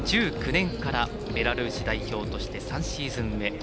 ２０１９年からベラルーシ代表として３シーズン目。